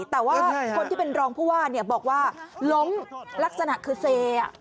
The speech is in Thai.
แต่คนที่เป็นรองพ่อวาธิ์บอกว่าล้มลักษณะคือเซ